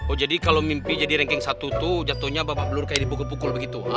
oh jadi kalau mimpi jadi ranking satu tuh jatuhnya bapak belur kayak dipukul pukul begitu ha